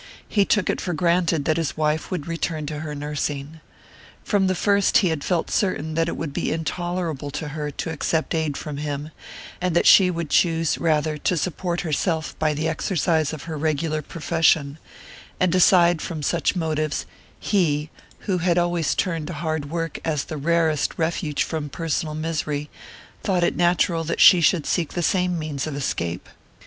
He took it for granted that his wife would return to her nursing. From the first he had felt certain that it would be intolerable to her to accept aid from him, and that she would choose rather to support herself by the exercise of her regular profession; and, aside from such motives, he, who had always turned to hard work as the rarest refuge from personal misery, thought it natural that she should seek the same means of escape.